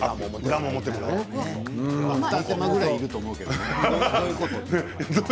２手間ぐらいいると思うけどね